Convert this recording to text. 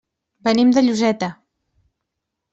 Venim de Lloseta.